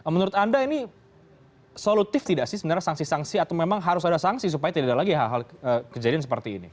menurut anda ini solutif tidak sih sebenarnya sanksi sanksi atau memang harus ada sanksi supaya tidak ada lagi hal hal kejadian seperti ini